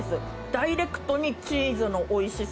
ダイレクトにチーズのおいしさ。